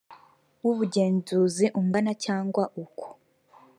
w ubugenzuzi ungana cyangwa uko